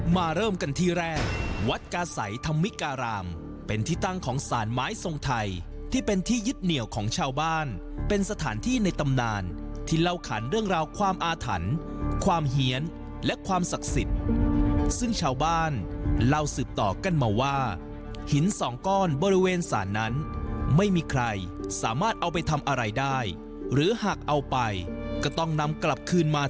เริ่มกันที่แรกวัดกาศัยธรรมิการามเป็นที่ตั้งของสารไม้ทรงไทยที่เป็นที่ยึดเหนียวของชาวบ้านเป็นสถานที่ในตำนานที่เล่าขันเรื่องราวความอาถรรพ์ความเหี้ยนและความศักดิ์สิทธิ์ซึ่งชาวบ้านเล่าสืบต่อกันมาว่าหินสองก้อนบริเวณสารนั้นไม่มีใครสามารถเอาไปทำอะไรได้หรือหากเอาไปก็ต้องนำกลับคืนมา